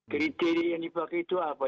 kriteria yang dipakai itu apa